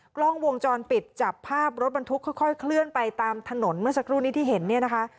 กล้องวงจรปิดจับภาพรถบรรทุกค่อยเคลื่อนไปตามถนนเมื่อสักครู่นี้ที่เห็นเนี่ยนะคะ